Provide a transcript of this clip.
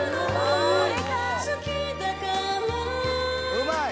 うまい！